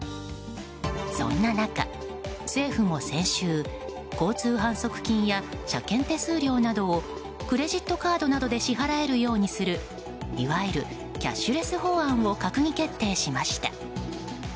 そんな中、政府も先週交通反則金や車検手数料などをクレジットカードなどで支払えるようにするいわゆるキャッシュレス法案を閣議決定しました。